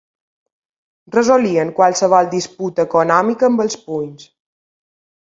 Resolien qualsevol disputa econòmica amb els punys.